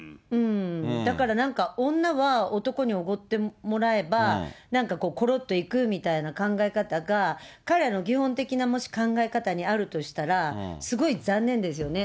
だからなんか、女は男におごってもらえば、なんかこう、ころっといくみたいな考え方が、彼の基本的なもし考え方にあるとしたら、すごい残念ですよね。